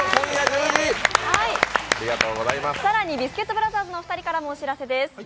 更にビスケットブラザーズのお二人からもお知らせです。